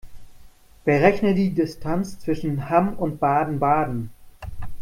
Berechne die Distanz zwischen Hamm und Baden-Baden